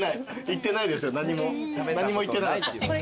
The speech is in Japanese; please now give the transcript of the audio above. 何も言ってない。